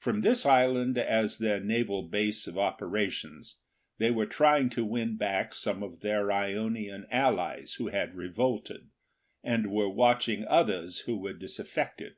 From this island as their naval base of operations they were trying to win back some of their Ionian allies who had revolted, and were watching others who were disaffected.